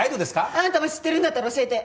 あんたも知ってるんだったら教えて。